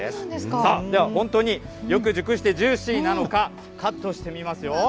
さあ、では本当によく熟してジューシーなのか、カットしてみますよ。